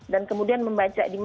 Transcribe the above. dan kemudian membaca